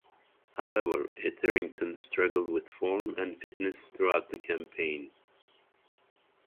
However Etherington struggled with form and fitness throughout the campaign.